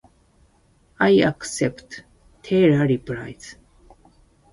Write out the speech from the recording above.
"I accept," Taylor replies.